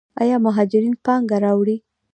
آیا مهاجرین پانګه راوړي؟